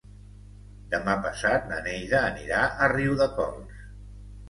Demà passat na Neida anirà a Riudecols.